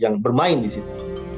dan bermain di situ